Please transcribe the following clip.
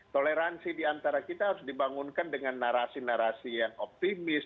toleransi diantara kita harus dibangunkan dengan narasi narasi yang optimis